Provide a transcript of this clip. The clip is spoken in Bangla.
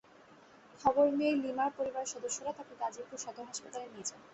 খবর মেয়ে লিমার পরিবারের সদস্যরা তাঁকে গাজীপুর সদর হাসপাতালে নিয়ে যান।